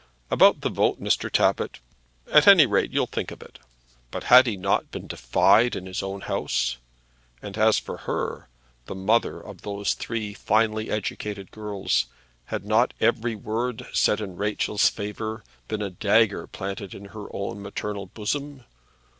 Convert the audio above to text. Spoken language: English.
About the vote, Mr. Tappitt ; at any rate you'll think of it." But had he not been defied in his own house? And as for her, the mother of those three finely educated girls, had not every word said in Rachel's favour been a dagger planted in her own maternal bosom?